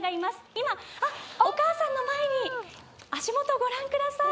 今、お母さんの前に足元をご覧ください。